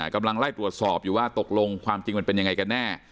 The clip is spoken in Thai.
กำลังไล่ตรวจสอบอยู่ว่าตกลงความจริงมันเป็นยังไงกันแน่